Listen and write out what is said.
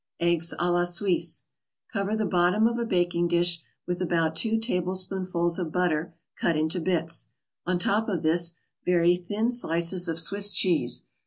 EGGS A LA SUISSE Cover the bottom of a baking dish with about two tablespoonfuls of butter cut into bits. On top of this, very thin slices of Swiss cheese.